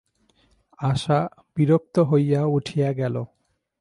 আশা বিরক্ত হইয়া উঠিয়া গেল।